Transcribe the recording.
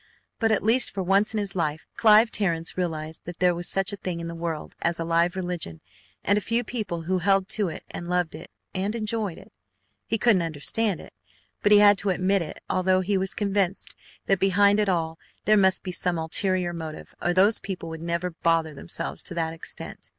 But at least for once in his life Clive Terrence realized that there was such a thing in the world as a live religion and a few people who held to it and loved it and enjoyed it. He couldn't understand it, but he had to admit it, although he was convinced that behind it all there must be some ulterior motive or those people would never bother themselves to that extent.